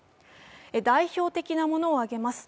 代表的なものを挙げます。